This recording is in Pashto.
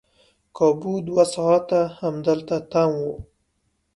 کابو دوه ساعته همدلته تم وو.